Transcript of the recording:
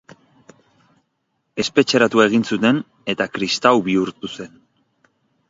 Espetxeratu egin zuten eta kristau bihurtu zen.